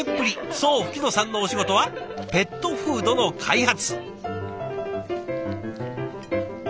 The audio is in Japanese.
そう吹野さんのお仕事はペットフードの開発。